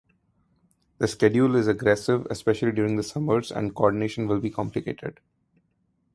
The schedule is aggressive, especially during the summers and coordination will be complicated.